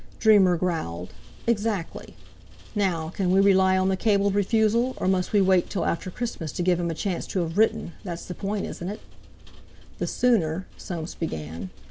Dreamer growled. "Exactly. Now, can we rely on the cabled refusal, or must we wait till after Christmas to give him a chance to have written—that's the point, isn't it?" "The sooner...." Soames began.